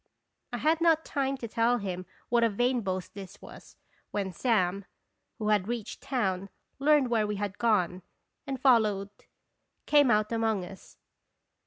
" I had not time to tell him what a vain boast this was, when Sam, who had reached town, learned where we had gone, and followed, came out among us.